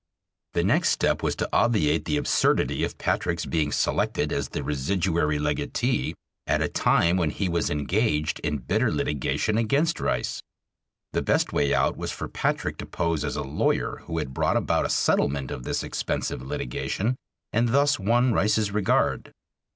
] The next step was to obviate the absurdity of Patrick's being selected as the residuary legatee at a time when he was engaged in bitter litigation against Rice. The best way out was for Patrick to pose as a lawyer who had brought about a settlement of this expensive litigation and thus won Rice's regard.